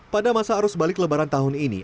pada masa arus balik lebaran tahun ini